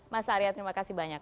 mas arya terima kasih banyak